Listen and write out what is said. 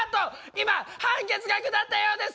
今判決が下ったようです！